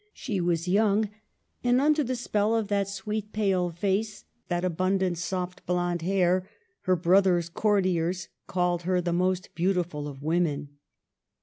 She was young, and, under the spell of that sweet pale face, that abundant soft blond hair, her brother's courtiers called her the most beautiful of women.